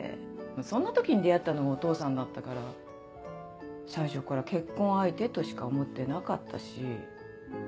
そんな時に出会ったのがお父さんだったから最初から結婚相手としか思ってなかったし。